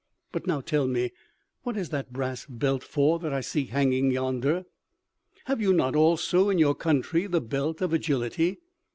But now tell me, what is that brass belt for that I see hanging yonder?" "Have you not also in your country the belt of agility?"